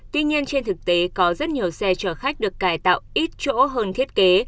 tuy nhiên trên thực tế có rất nhiều xe chở khách được cải tạo ít chỗ hơn thiết kế